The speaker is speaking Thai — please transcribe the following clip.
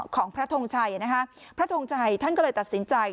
ของพระทงชัยนะคะพระทงชัยท่านก็เลยตัดสินใจ